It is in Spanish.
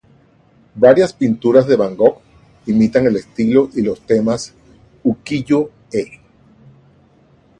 Varias pinturas de Van Gogh imitan el estilo y los temas "ukiyo-e".